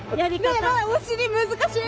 ねえお尻難しい。